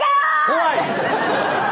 怖い！